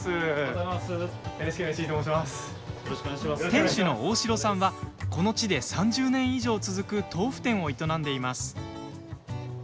店主の大城さんはこの地で３０年以上続く豆腐店を営んでいます。